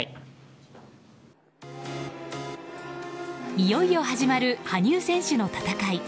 いよいよ始まる羽生選手の戦い。